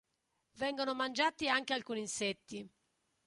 Vengono mangiati anche alcuni insetti.